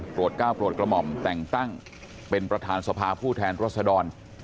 ปรวจเก้าปรวจกระหม่๋อแต่งตั้งเป็นประธานสภาพผู้แทนรัฐสดร